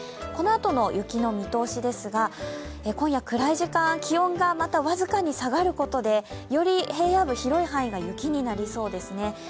このあとの雪の見通しですが、今夜、暗い時間、気温が僅かに下がることで、より平野部広い範囲が雪になりそうですね。